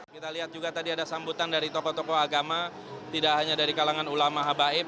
kita lihat juga tadi ada sambutan dari tokoh tokoh agama tidak hanya dari kalangan ulama habaib